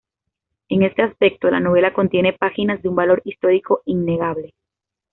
En este aspecto, la novela contiene páginas de un valor histórico innegable".